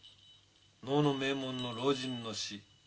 能の名門の老人の死。